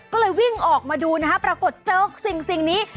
ก็เลยวิ่งออกมาดูนะฮะปรากฏเจอสิ่งนี้